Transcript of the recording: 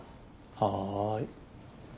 はい。